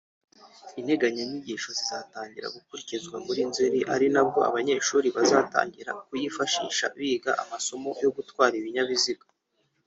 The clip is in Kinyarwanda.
Integanyanyigisho izatangira gukurikizwa muri Nzeli ari nabwo abanyeshuri bazatangira kuyifashisha biga amasomo yo gutwara ibinyabiziga